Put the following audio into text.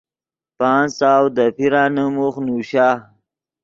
پانچ سو دے پیرانے موخ نوشا۔